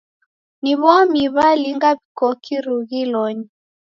Ni w'omi w'alinga w'iko kirughilonyi?